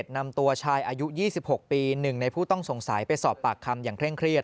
นำตัวชายอายุ๒๖ปี๑ในผู้ต้องสงสัยไปสอบปากคำอย่างเคร่งเครียด